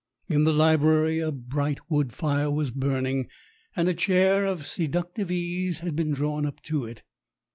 In the library a bright wood fire was burning, and a chair of seduc tive ease had been drawn up to it.